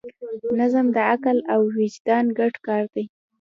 نظم د عقل او وجدان ګډ کار دی.